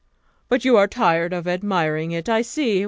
"But you are tired of admiring it, I see.